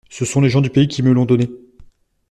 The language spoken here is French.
Ce sont les gens du pays qui me l’ont donné.